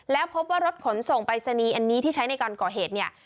แล้วพบว่ารถขนส่งปรายศนีย์อันนี้ที่ใช้ในการก่อเหตุเนี่ย